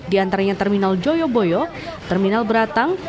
di antaranya terminal joyoboyo terminal beratang